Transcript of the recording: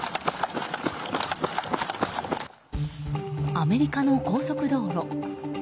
アメリカの高速道路。